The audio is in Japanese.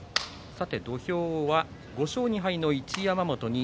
さて土俵は５勝２敗の一山本。